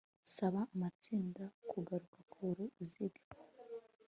saba amatsinda kugaruka ku ruziga